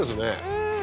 うん。